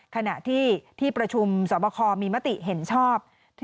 ขณะที่ที่ประชุมสอบคอมีมติเห็นชอบ